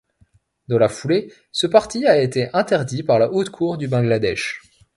Dans la foulée, ce parti a été interdit par la Haute cour du Bangladesh.